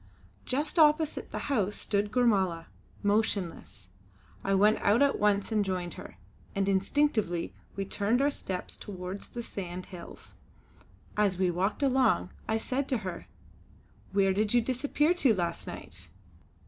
Just opposite the house stood Gormala, motionless. I went out at once and joined her, and instinctively we turned our steps toward the sand hills. As we walked along I said to her: "Where did you disappear to last night?"